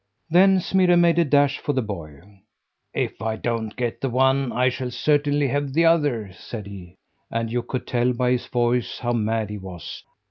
Then Smirre made a dash for the boy. "If I don't get the one, I shall certainly have the other," said he; and you could tell by his voice how mad he was.